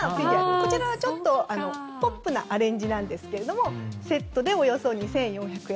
こちらはちょっとポップなアレンジですがセットでおよそ２４００円。